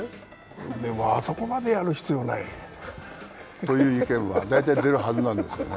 でも、あそこまでやる必要ない。という意見は大体出るはずなんですね。